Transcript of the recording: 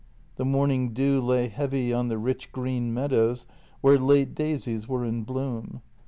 The morning dew lay heavy on the rich green meadows where late daisies were in bloom.